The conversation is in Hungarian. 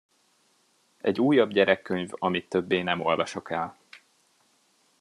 Egy újabb gyerekkönyv, amit többé nem olvasok el.